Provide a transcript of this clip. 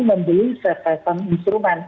membeli sesesan instrumen